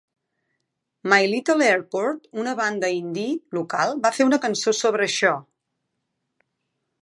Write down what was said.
My Little Airport, una banda indie local, va fer una cançó sobre això.